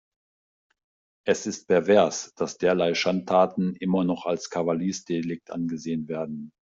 Es ist pervers, dass derlei Schandtaten immer noch als Kavaliersdelikt angesehen werden.